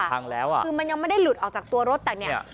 พังแล้วอ่ะคือมันยังไม่ได้หลุดออกจากตัวรถแต่เนี่ย